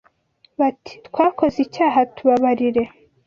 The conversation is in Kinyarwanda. bati twakoze icyaha tubabarire